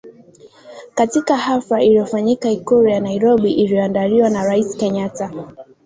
katika hafla iliyofanyika Ikulu ya Nairobi iliyoandaliwa na Rais Kenyatta